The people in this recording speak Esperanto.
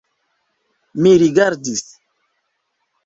Mi rigardis.